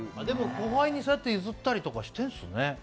後輩にそうやって譲ったりとかしてるんですね。